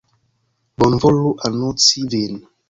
Bonvolu anonci vin.